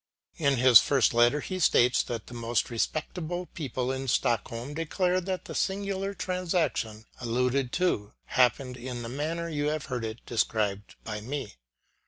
In his first letter, he states that the most respectable people in Stockholm declare that the singular transaction alluded to happened in the manner you have heard described by me.